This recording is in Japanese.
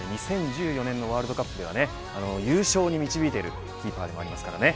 ２０１４年のワールドカップでは優勝に導いているキーパーでもありますからね。